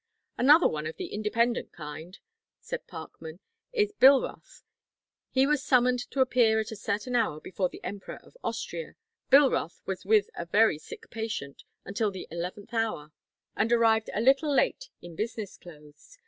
"Another one of the independent kind," said Parkman, "is on Bilroth. He was summoned to appear at a certain hour before the Emperor of Austria. Bilroth was with a very sick patient until the eleventh hour and arrived a little late in business clothes.